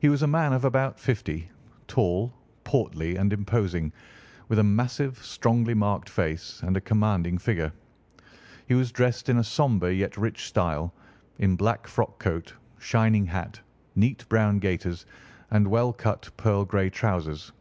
He was a man of about fifty, tall, portly, and imposing, with a massive, strongly marked face and a commanding figure. He was dressed in a sombre yet rich style, in black frock coat, shining hat, neat brown gaiters, and well cut pearl grey trousers.